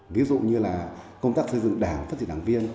ví dụ như là công tác xây dựng đảng phát triển đảng viên